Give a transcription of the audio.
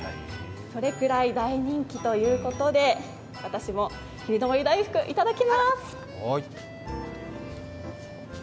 それくらい大人気ということで、私も霧の森大福、いただきまーす。